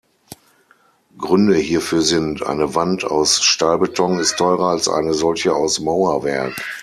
Gründe hierfür sind: Eine Wand aus Stahlbeton ist teurer als eine solche aus Mauerwerk.